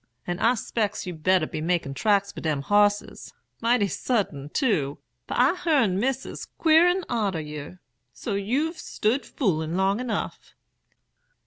And I 'specs you'd better be making tracks for dem hosses, mighty sudden too, for I hearn Missis 'quirin' arter yer; so you've stood foolin' long enough.'